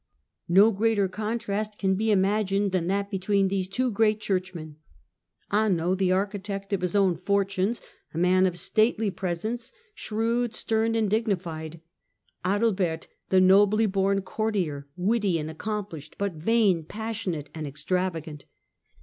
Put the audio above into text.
No greater contrast can be imagined than that between these two great churchmen. Anno, the architect of his own fortunes, a man of stately presence, shrewd, stern, and dignified. Adalbert, the nobly born courtier, witty and accomplished, but vain, passionate, and ex travagant.